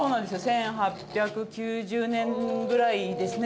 １８９０年ぐらいですね